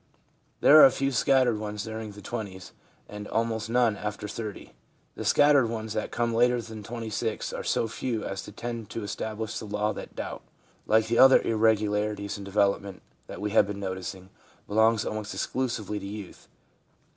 There are a few scattered ones during the twenties, and almost none after 30. The scattered ones that come later than 26 are so few as to tend to establish the law that doubt, like the other irregularities in development that we have been noticing, belongs almost exclusively to youth.